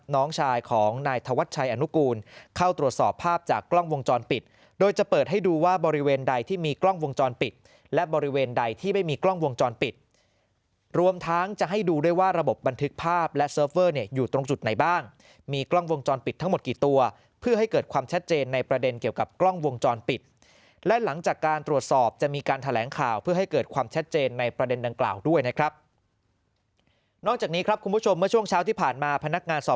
น้องชายของนายธวัชชัยอนุกูลเข้าตรวจสอบภาพจากกล้องวงจรปิดโดยจะเปิดให้ดูว่าบริเวณใดที่มีกล้องวงจรปิดและบริเวณใดที่ไม่มีกล้องวงจรปิดรวมทั้งจะให้ดูด้วยว่าระบบบันทึกภาพและเซิร์ฟเวอร์เนี่ยอยู่ตรงจุดไหนบ้างมีกล้องวงจรปิดทั้งหมดกี่ตัวเพื่อให้เกิดความแชทเจนในประเด็